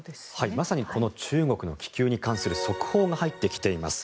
まさにこの中国の気球に関する速報が入ってきています。